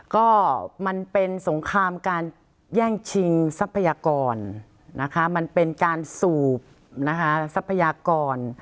ก็มันเป็นสงครามการแย่งชิงทรัพยากรนะคะมันเป็นการสูบทรัพยากร